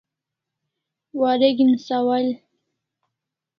Wareg'in sawal